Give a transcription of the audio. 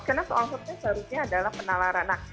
karena soal survei seharusnya adalah penalaran